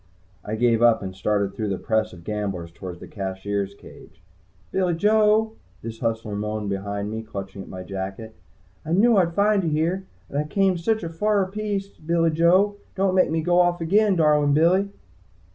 I gave up and started through the press of gamblers toward the Cashier's cage. "Billy Joe!" this hustler moaned behind me, clawing at my jacket. "I knew I'd find you here. And I came sich a fer piece, Billy Joe! Don't make me go off again, darlin' Billy!"